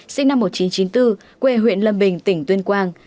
sinh năm một nghìn chín trăm chín mươi bốn quê huyện lâm bình tỉnh tuyên quang